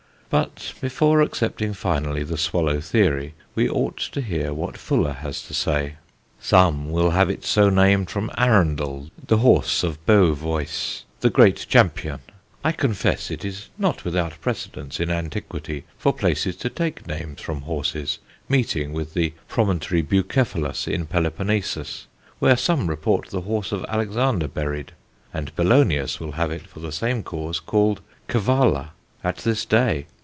But before accepting finally the swallow theory, we ought to hear what Fuller has to say: "Some will have it so named from Arundel the Horse of Beavoice, the great Champion. I confess it is not without precedence in Antiquity for Places to take names from Horses, meeting with the Promontory Bucephalus in Peloponesus, where some report the Horse of Alexander buried, and Bellonius will have it for the same cause called Cavalla at this day.